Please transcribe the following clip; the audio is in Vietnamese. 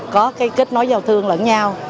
có cái kết nối giao thương lẫn nhau